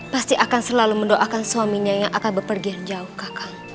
pasti akan selalu mendoakan suaminya yang akan berpergian jauh kakak